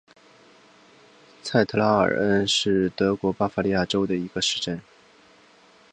蔡特拉尔恩是德国巴伐利亚州的一个市镇。